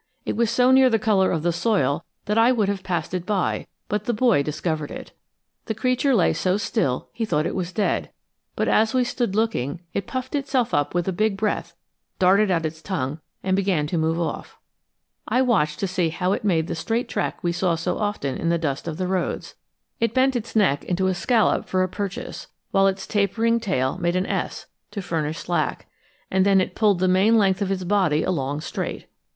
It was so near the color of the soil that I would have passed it by, but the boy discovered it. The creature lay so still he thought it was dead; but as we stood looking, it puffed itself up with a big breath, darted out its tongue, and began to move off. I watched to see how it made the straight track we so often saw in the dust of the roads. It bent its neck into a scallop for a purchase, while its tapering tail made an S, to furnish slack; and then it pulled the main length of its body along straight.